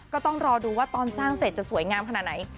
ก็ต้องรอดูว่าตอนสร้างเสร็จจะสวยงามขนาดไหน